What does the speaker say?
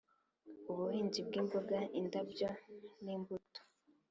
ubuhinzi bw imboga indabyo n imbuto